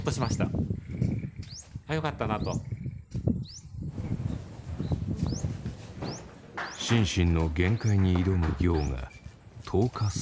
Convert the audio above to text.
心身の限界に挑む行が１０日過ぎた。